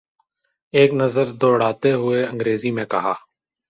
ایک نظر دوڑاتے ہوئے انگریزی میں کہا۔